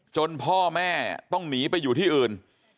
พ่อแม่ต้องหนีไปอยู่ที่อื่น